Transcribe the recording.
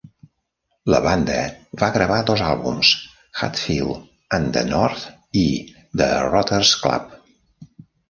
La banda va gravar dos àlbums: "Hatfield and the North" i "The Rotters' Club".